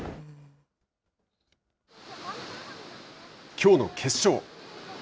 きょうの決勝。